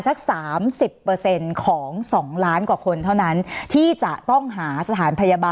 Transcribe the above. สนับสนุนโดยพี่โพเพี่ยวสะอาดใสไร้คราบ